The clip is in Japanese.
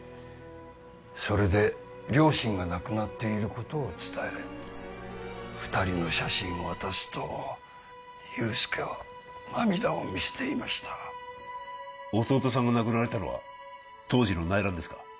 それで両親が亡くなっていることを伝え二人の写真を渡すと憂助は涙を見せていました弟さんが亡くなられたのは当時の内乱ですか？